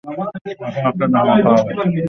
এখন একটা ধামাকা হবে।